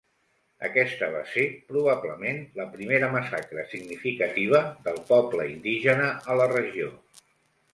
Aquesta va ser, probablement, la primera massacre significativa del poble indígena a la regió.